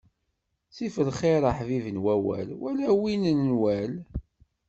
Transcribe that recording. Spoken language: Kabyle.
Ttif xir aḥbib n wawal wala win n nnwal!